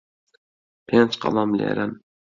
پێنج قەڵەم لێرەن.